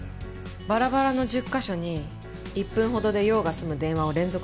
バラバラの１０カ所に１分ほどで用が済む電話を連続でかける。